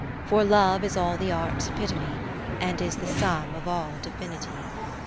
For Love is all the Arts' epitome, And is the sum of all Divinity.